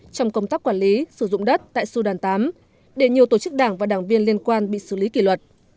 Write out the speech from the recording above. trong công tác quản lý sử dụng đất tại sư đoàn tám để nhiều tổ chức đảng và đảng viên liên quan bị xử lý kỷ luật